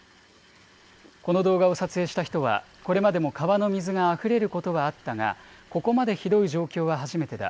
この動画を撮影した人は、これまでも川の水があふれることはあったが、ここまでひどい状況は初めてだ。